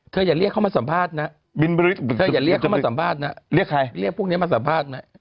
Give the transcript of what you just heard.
อย่าเรียกเขามาสัมภาษณ์นะเธออย่าเรียกเขามาสัมภาษณ์นะเรียกใครเรียกพวกนี้มาสัมภาษณ์นะ